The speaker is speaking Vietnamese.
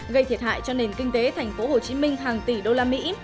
gây thiệt hại cho nền kinh tế thành phố hồ chí minh hàng tỷ usd